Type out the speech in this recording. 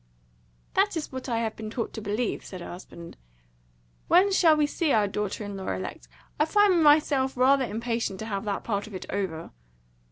"That is what I have been taught to believe," said her husband. "When shall we see our daughter in law elect? I find myself rather impatient to have that part of it over."